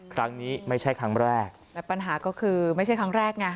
ครั้งนี้ไม่ใช่ครั้งแรกแต่ปัญหาก็คือไม่ใช่ครั้งแรกไง